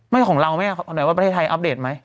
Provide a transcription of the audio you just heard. ไม่ของเราไหมแบบว่าประเทศไทยอัปเดตไหม